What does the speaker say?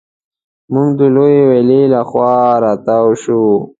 موږ د لویې ویالې له خوا را تاو شوو.